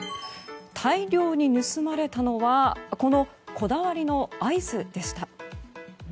大量に盗まれたのはこのこだわりのアイスでした。